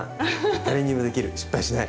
誰にでもできる失敗しない！